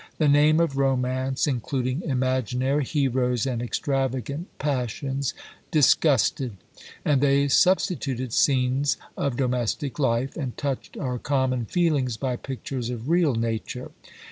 The name of romance, including imaginary heroes and extravagant passions, disgusted; and they substituted scenes of domestic life, and touched our common feelings by pictures of real nature.